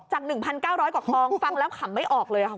๑๙๐๐กว่าคลองฟังแล้วขำไม่ออกเลยค่ะ